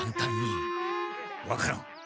分からん。